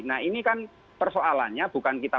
nah ini kan persoalannya bukan kita